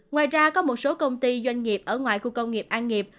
ngoài ra có một số công ty doanh nghiệp ở ngoài khu công nghiệp an nghiệp